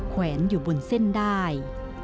แขวนอยู่บนเส้นได้